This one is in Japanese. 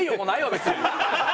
別に。